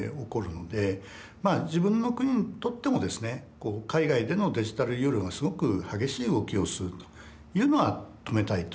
自分の国にとってもですね海外でのデジタルユーロがすごく激しい動きをするというのは止めたいと。